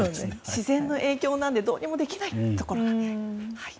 自然の影響なのでどうにもできないというところです。